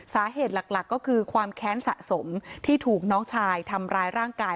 สาเหตุหลักก็คือความแค้นสะสมที่ถูกน้องชายทำร้ายร่างกาย